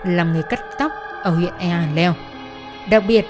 là người cắt thân